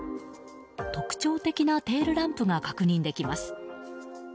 特徴的なテールランプが確認できます。